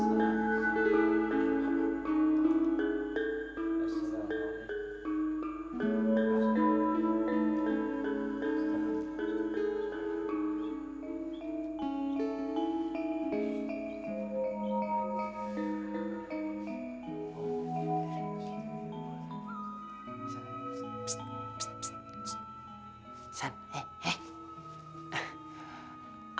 san eh eh